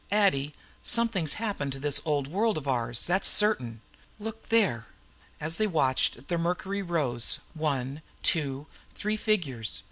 Addie, something's happened to this old world of ours. That's certain. Look there!" As they watched the mercury rose one, two, three figures.